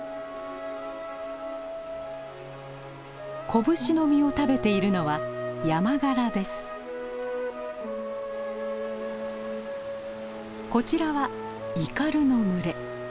コブシの実を食べているのはこちらはイカルの群れ。